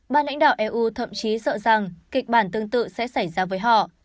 ban lãnh đạo eu thậm chí sợ rằng kịch bản tương tự sẽ xảy ra với họ